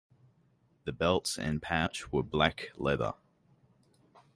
The belts and pouch were black leather.